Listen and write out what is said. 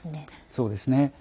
そうですね。